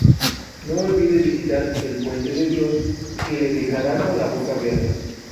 No olvide visitar el Puente de Dios, que le dejará con la boca abierta.